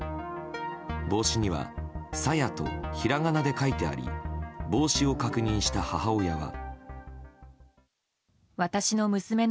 帽子には「さや」とひらがなで書いてあり帽子を確認した母親が。